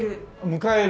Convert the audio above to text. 迎える。